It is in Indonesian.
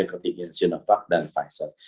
yang ketiga sinovac dan pfizer